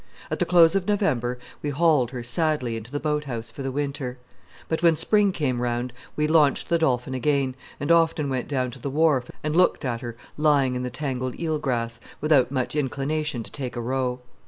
At the close of November we hauled her sadly into the boat house for the winter; but when spring came round we launched the Dolphin again, and often went down to the wharf and looked at her lying in the tangled eel grass, without much inclination to take a row.